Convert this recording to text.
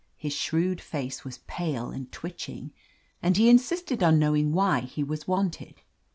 His shrewd face was pale and twitching, and he in sisted on knowing why he was wanted.